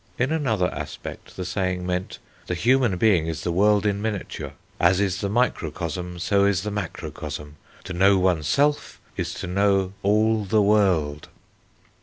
In another aspect the saying meant "the human being is the world in miniature; as is the microcosm, so is the macrocosm; to know oneself is to know all the world."